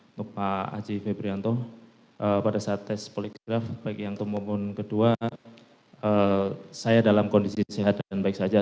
untuk pak haji febrianto pada saat tes poligraf baik yang itu maupun kedua saya dalam kondisi sehat dan baik saja